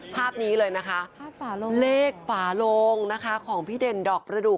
ภาพนี้เลยนะคะเลขฝาโลงนะคะของพี่เด่นดอกประดูก